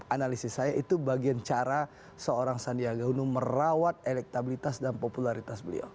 analisis saya itu bagian cara seorang sandiaga uno merawat elektabilitas dan popularitas beliau